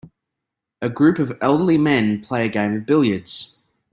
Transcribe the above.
A group of elderly men play a game of billiards.